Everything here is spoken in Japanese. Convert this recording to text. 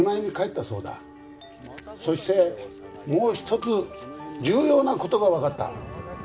そしてもう一つ重要な事がわかった。